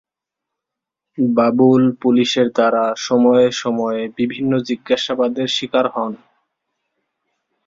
বাবুল পুলিশের দ্বারা সময়ে সময়ে বিভিন্ন জিজ্ঞাসাবাদের স্বীকার হন।